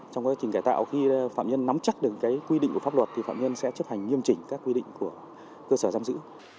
trong quá trình cải tạo khi phạm nhân nắm chắc được quy định của pháp luật thì phạm nhân sẽ chấp hành nghiêm chỉnh các quy định của cơ sở giam giữ